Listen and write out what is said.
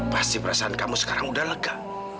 pasti perasaan kamu sekarang udah lega